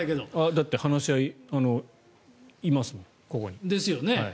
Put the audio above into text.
だって話し合いにいますもん、ここに。ですよね。